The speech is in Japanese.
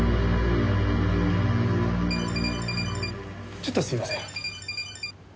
ちょっとすみません。